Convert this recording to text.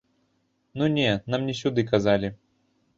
Ну не, нам не сюды, казалі.